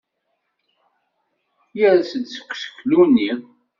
Yers-d seg useklu-nni.